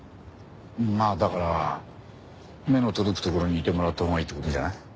まあだから目の届く所にいてもらったほうがいいって事じゃない？